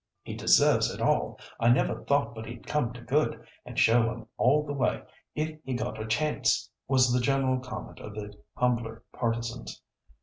"He deserves it all. I never thought but he'd come to good, and show 'em all the way if he got a chance," was the general comment of the humbler partisans.